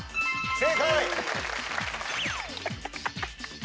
正解！